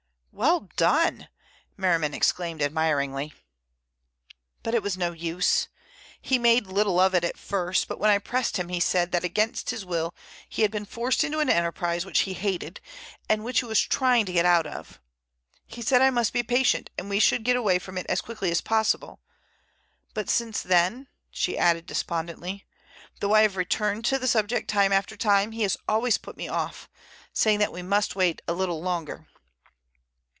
"Well done!" Merriman exclaimed admiringly. "But it was no use. He made little of it at first, but when I pressed him he said that against his will he had been forced into an enterprise which he hated and which he was trying to get out of. He said I must be patient and we should get away from it as quickly as possible. But since then," she added despondently, "though I have returned to the subject time after time he has always put me off, saying that we must wait a little longer."